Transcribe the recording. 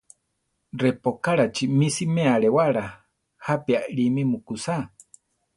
Repókarachi mi siméa alewála, jápi alími mukúsaa.